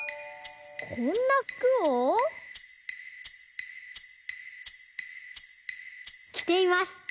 こんな服をきています。